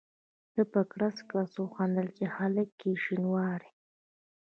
ده په کړس کړس وخندل چې هلکه یې شینواری.